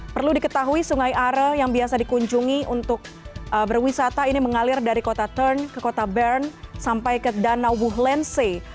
perlu diketahui sungai are yang biasa dikunjungi untuk berwisata ini mengalir dari kota turn ke kota bern sampai ke danau wuhlense